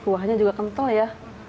kuahnya juga kental ya